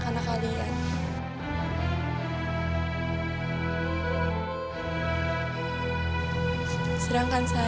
dan harap kalo udah anlamu